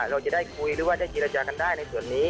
เราจะได้คุยหรือว่าได้เจรจากันได้ในส่วนนี้